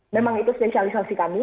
memang itu spesialisasi kami